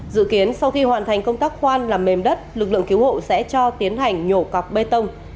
dự kiến sau khi hoàn thành công tác khoan làm mềm đất lực lượng cứu hộ sẽ cho tiến hành nhổ cọc bê tông